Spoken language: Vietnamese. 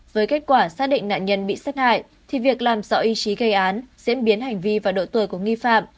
với kết quả xác định nạn nhân bị sát hại thì việc làm rõ ý chí gây án diễn biến hành vi và độ tuổi của nghi phạm